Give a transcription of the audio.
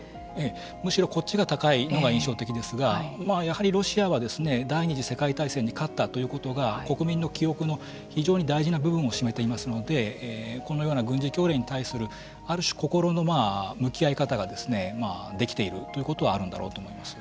むしろこっちが高いのが印象的ですがやはりロシアは第２次世界大戦に勝ったということが国民の記憶の非常に大事な部分を占めていますのでこのような軍事教練に対するある種心の向き合い方ができているということはあるんだろうと思います。